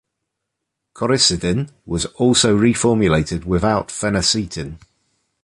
Coricidin was also reformulated without phenacetin.